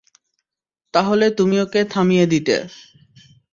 তাহলে তুমি ওকে থামিয়ে দিতে।